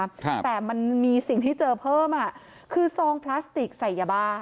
ครับแต่มันมีสิ่งที่เจอเพิ่มอ่ะคือซองพลาสติกใส่ยาบ้า